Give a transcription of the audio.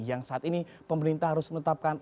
yang saat ini pemerintah harus menetapkan